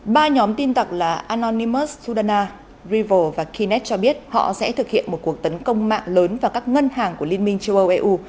ba nhóm tin tặc là anonimus sudana revo và kunet cho biết họ sẽ thực hiện một cuộc tấn công mạng lớn vào các ngân hàng của liên minh châu âu eu